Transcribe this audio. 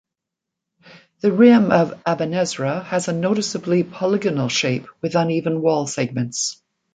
The rim of Abenezra has a noticeably polygonal shape, with uneven wall segments.